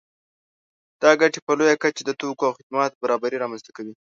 دا ګټې په لویه کچه د توکو او خدماتو برابري رامنځته کوي